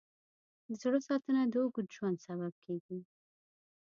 د زړه ساتنه د اوږد ژوند سبب کېږي.